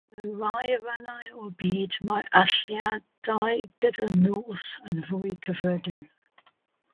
Mewn rhai rhannau o'r byd mae allyriadau gyda'r nos yn fwy cyffredin.